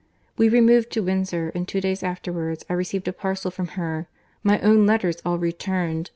—We removed to Windsor; and two days afterwards I received a parcel from her, my own letters all returned!